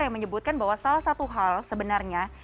yang menyebutkan bahwa salah satu hal sebenarnya